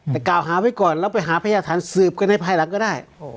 แต่กล่าวหาไว้ก่อนแล้วไปหาพยาฐานสืบกันในภายหลังก็ได้